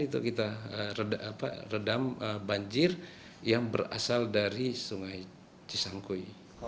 itu kita redam banjir yang berasal dari sungai cisangkui